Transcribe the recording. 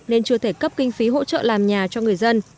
nên chưa thể cấp kinh phí hỗ trợ làm nhà cho người dân